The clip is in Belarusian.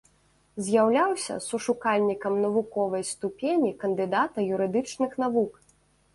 З'яўляўся сушукальнікам навуковай ступені кандыдата юрыдычных навук.